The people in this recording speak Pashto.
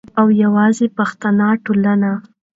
او یواځی پښتو ټولنې